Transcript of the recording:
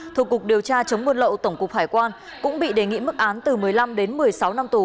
thuộc cục điều tra chống buôn lậu tổng cục hải quan cũng bị đề nghị mức án từ một mươi năm đến một mươi sáu năm tù